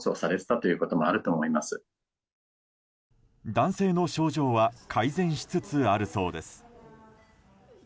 男性の症状は改善しつつあるそうです。